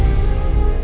seif allah kestellah pbs